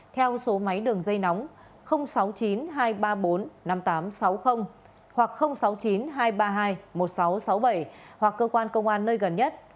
theo số máy đường dây nóng sáu mươi chín hai trăm ba mươi bốn năm nghìn tám trăm sáu mươi hoặc sáu mươi chín hai trăm ba mươi hai một nghìn sáu trăm sáu mươi bảy hoặc cơ quan công an nơi gần nhất